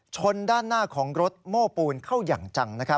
ชนด้านหน้าของรถโม้ปูนเข้าอย่างจัง